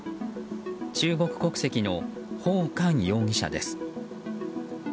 中国国籍のホウ・カン容疑者です。